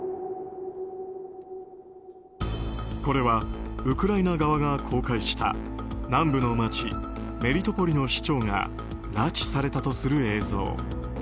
これはウクライナ側が公開した南部の街、メリトポリの市長が拉致されたとする映像。